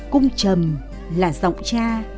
cung trầm là giọng cha